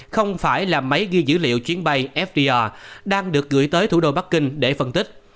không phải là máy ghi dữ liệu chuyến bay fpr đang được gửi tới thủ đô bắc kinh để phân tích